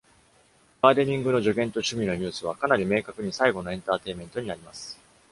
ガーデニングの助言と趣味の「ニュース」はかなり明確に最後のエンターテインメントになります。